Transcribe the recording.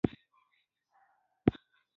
د ونو لاندې ناستې ډېرې خوندورې دي.